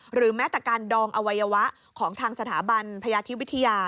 หรือแม้แต่การดองอวัยวะของทางสถาบันพยาธิวิทยา